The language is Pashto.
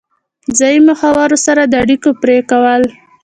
ځایي مخورو سره د اړیکو پرې کول.